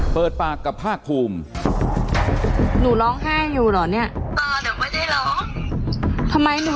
เปิดปากกับผ้าคลุม